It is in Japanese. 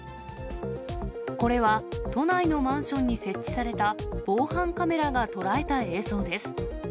これは都内のマンションに設置された防犯カメラが捉えた映像です。